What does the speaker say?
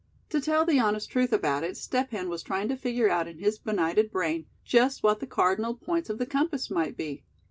To tell the honest truth about it, Step Hen was trying to figure out in his benighted brain just what the cardinal points of the compass might be.